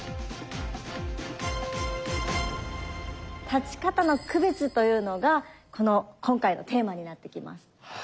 立ち方の区別というのが今回のテーマになってきます。